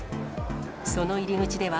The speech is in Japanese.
その入り口では、